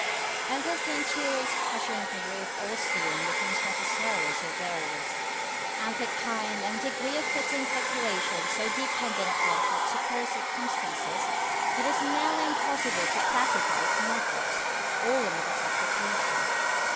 And thus the interior expression of the roof or ceiling becomes necessarily so various, and the kind and degree of fitting decoration so dependent upon particular circumstances, that it is nearly impossible to classify its methods, or limit its application.